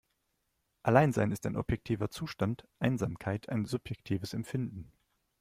Alleinsein ist ein objektiver Zustand, Einsamkeit ein subjektives Empfinden.